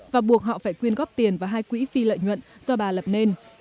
và buộc họ phải quyên góp tiền vào hai quỹ phi lợi nhuận do bà lập nên